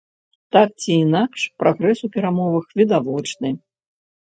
Так ці інакш, прагрэс у перамовах відавочны.